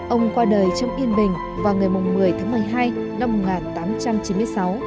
ông qua đời trong yên bình vào ngày một mươi tháng một mươi hai năm một nghìn tám trăm chín mươi sáu